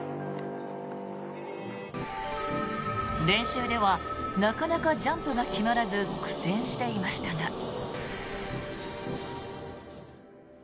練習ではなかなかジャンプが決まらず苦戦していましたが。